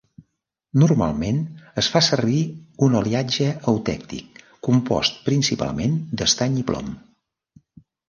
Normalment es fa servir un aliatge eutèctic compost principalment d'estany i plom.